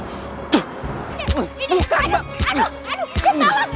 aduh aduh tolong